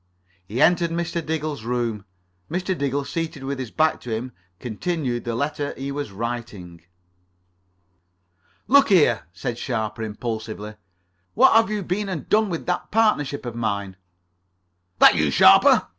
He entered Mr. Diggle's room. Mr. Diggle, seated with his back to him, continued the letter he was writing. "Look here," said Sharper impulsively, "what have you been and done with that partnership of mine?" "That you, Sharper?